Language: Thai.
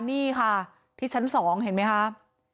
นี่ค่ะที่ชั้น๒เห็นไหมคะ